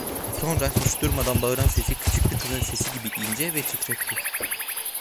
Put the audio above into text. Sonra, hiç durmadan bağıran sesi küçük bir kızın sesi gibi ince ve titrekti.